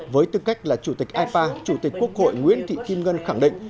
với tư cách là chủ tịch ipa chủ tịch quốc hội nguyễn thị kim ngân khẳng định